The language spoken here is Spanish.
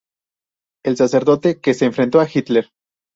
El sacerdote que se enfrentó a Hitler".